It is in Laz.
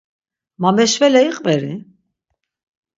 Mameşvele iqveri?